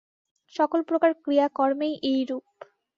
সকলপ্রকার ক্রিয়াকর্মেই এইরূপ।